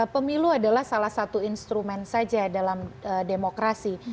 pemilu adalah salah satu instrumen saja dalam demokrasi